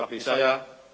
kepada bangsa dan negara